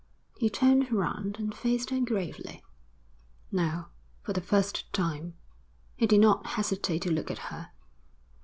He turned round and faced her gravely. Now, for the first time, he did not hesitate to look at her.